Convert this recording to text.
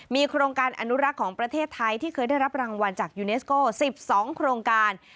มีโครงการอนุรักษ์ของประเทศไทยที่เคยได้รับรางวัลจากยูเนสโก้๑๒โครงการ